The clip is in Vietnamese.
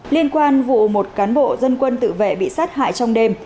liên quan vụ một cán bộ dân quân tự vệ bị sát hại trong đêm